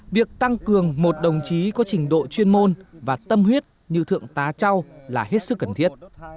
việc tăng cường một đồng chí có trình độ chuyên môn và tâm huyết như thượng tá châu là hết sức cần thiết